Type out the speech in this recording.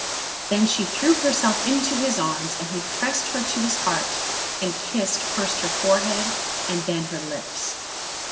Then she threw herself into his arms, and he pressed her to his heart, and kissed first her forehead and then her lips.